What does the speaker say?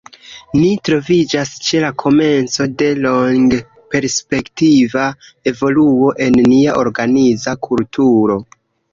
Ni troviĝas ĉe la komenco de longperspektiva evoluo en nia organiza kulturo.